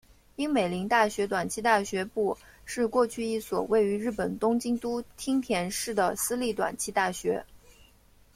樱美林大学短期大学部是过去一所位于日本东京都町田市的私立短期大学。